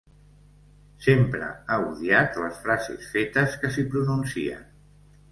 Sempre ha odiat les frases fetes que s'hi pronuncien.